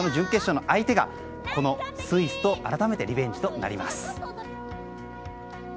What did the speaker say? そして、その準決勝の相手がスイスと改めてリベンジとなります。